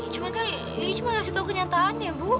cuman kan liat cuma ngasih tau kenyataannya bu